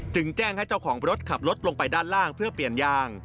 แจ้งให้เจ้าของรถขับรถลงไปด้านล่างเพื่อเปลี่ยนยาง